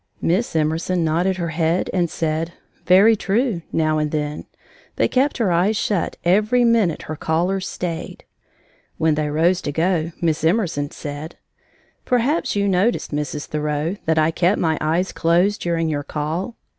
Miss Emerson nodded her head and said: "Very true," now and then, but kept her eyes shut every minute her callers stayed. When they rose to go, Miss Emerson said: "Perhaps you noticed, Mrs. Thoreau, that I kept my eyes closed during your call.